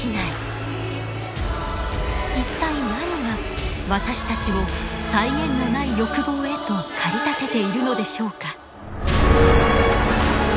一体何が私たちを際限のない欲望へと駆り立てているのでしょうか？